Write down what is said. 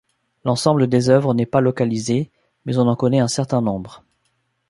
L'ensemble des œuvres n'est pas localisé, mais on en connaît un certain nombre.